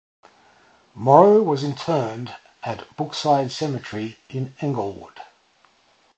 Morrow was interred at Brookside Cemetery in Englewood.